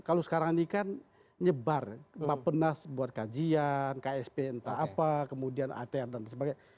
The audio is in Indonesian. kalau sekarang ini kan nyebar pak penas buat kajian ksp entah apa kemudian atr dan sebagainya